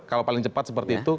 kalau paling cepat seperti itu